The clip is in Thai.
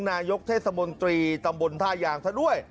นายกเทศมนตรีตำบลท่ายางซะด้วย